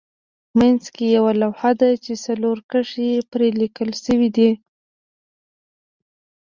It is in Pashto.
منځ کې یوه لوحه ده چې څلور کرښې پرې لیکل شوې دي.